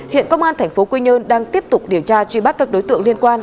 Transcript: hiện công an tp quy nhơn đang tiếp tục điều tra truy bắt các đối tượng liên quan